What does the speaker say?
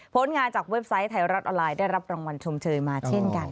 งานจากเว็บไซต์ไทยรัฐออนไลน์ได้รับรางวัลชมเชยมาเช่นกัน